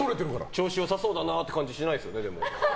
調子良さそうだなって感じしないですよね。